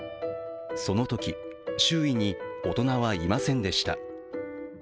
そのとき、周囲に大人はいませんでした。